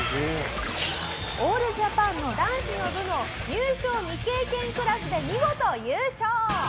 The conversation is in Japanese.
オールジャパンの男子の部の入賞未経験クラスで見事優勝！